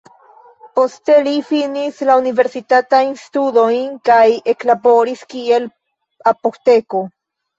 Poste li finis la universitatajn studojn kaj eklaboris kiel apoteko.